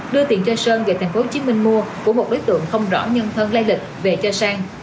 đưa tiền cho sơn về tp hcm mua của một đối tượng không rõ nhân thân lai lịch về cho sang